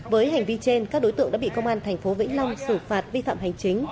với hành vi trên các đối tượng đã bị công an tp vĩnh long xử phạt vi phạm hành chính